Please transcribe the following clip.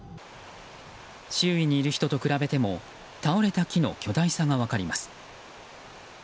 周囲にいる人と比べても倒れた木の巨大さが分かります。